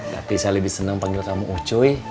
tapi saya lebih seneng panggil kamu ucuy